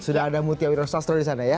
sudah ada mutia wirastastro di sana ya